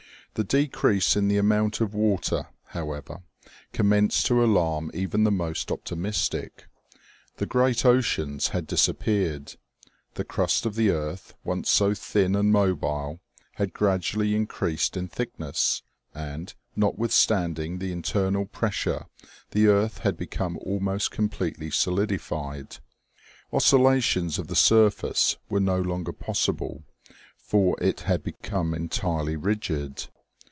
The decrease in the amount of water, however, commenced to alarm even the most op timistic. The great oceans had disappeared. The crust of the earth, once so thin and mobile, had gradually increased in thickness, and, notwithstanding the internal pressure, the earth had become almost completely solidified. Oscil lations of the surface were no longer possible, for it had become entirely rigid.